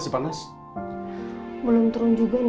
memang selamat ya program